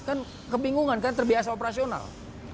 kan kebingungan kan terbiasa operasional